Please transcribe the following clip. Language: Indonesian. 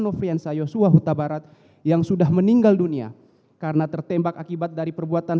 nofrian sayo suahutabarat yang sudah meninggal dunia karena tertembak akibat dari perbuatan